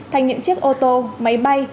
thành những chiếc ô tô máy bay